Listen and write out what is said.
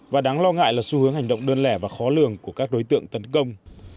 và đáng lo ngại là xu hướng hành động đơn lẻ và khó lường của các đối tượng tấn công